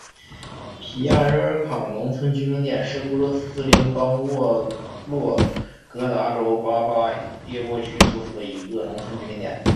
皮亚热尔卡农村居民点是俄罗斯联邦沃洛格达州巴巴耶沃区所属的一个农村居民点。